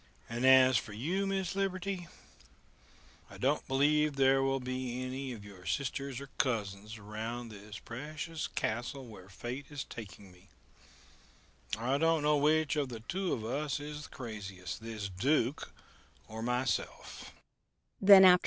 And as for you, Miss Liberty I don't believe there will be any of your sisters or cousins around this precious castle where Fate is taking me. I don't know which of us two is the craziest this Duke or myself."